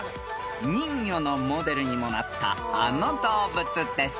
［人魚のモデルにもなったあの動物です］